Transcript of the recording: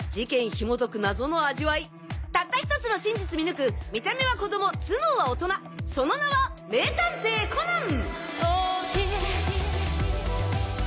ひも解く謎の味わいたった１つの真実見抜く見た目は子供頭脳は大人その名は名探偵コナン！